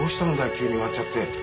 急に割っちゃって。